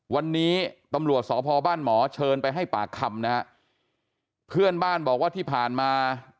วันนี้ตำรวจสพบ้านหมอเชิญไปให้ปากคำนะฮะเพื่อนบ้านบอกว่าที่ผ่านมา